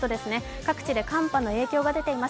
各地で寒波の影響が出ています。